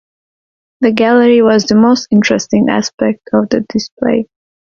The gallery was the most interesting aspect of the display.